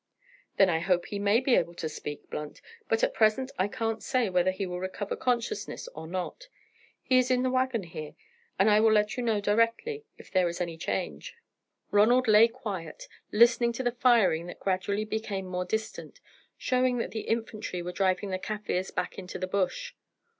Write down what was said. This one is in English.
"Then I hope he may be able to speak, Blunt, but at present I can't say whether he will recover consciousness or not. He is in the waggon here, and I will let you know directly if there is any change." Ronald lay quiet, listening to the firing that gradually became more distant, showing that the infantry were driving the Kaffirs back into the bush.